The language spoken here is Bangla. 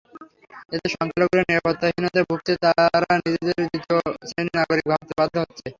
এতে সংখ্যালঘুরা নিরাপত্তাহীনতায় ভুগছে, তারা নিজেদের দ্বিতীয় শ্রেণির নাগরিক ভাবতে বাধ্য হচ্ছে।